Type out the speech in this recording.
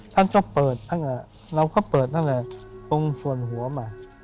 ท่านก็เปิดท่านเราก็เปิดตั้งแต่ตรงส่วนหัวมา